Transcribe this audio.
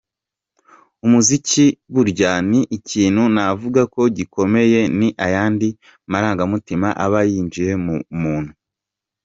Umuziki burya ni ikintu navuga ko gikomeye, ni ayandi marangamutima aba yinjiye mu muntu.